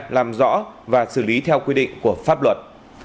làm rõ và xử lý theo quy định của pháp luật